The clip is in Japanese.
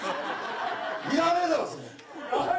いらねえだろそれ。